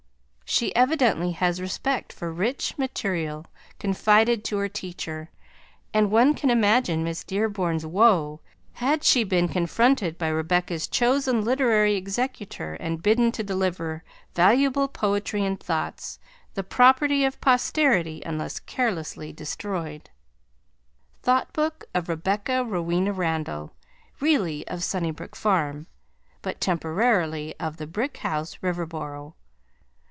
She evidently has respect for rich material confided to her teacher, and one can imagine Miss Dearborn's woe had she been confronted by Rebecca's chosen literary executor and bidden to deliver certain "Valuable Poetry and Thoughts," the property of posterity "unless carelessly destroyed." THOUGHT BOOK of Rebecca Rowena Randall Really of Sunnybrook Farm But temporily of The Brick House Riverboro.